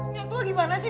nyatua gimana sih